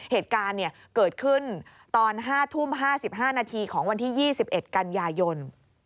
เหตุการณ์เกิดขึ้นตอน๕ทุ่ม๕๕นาทีของวันที่๒๑กันยายน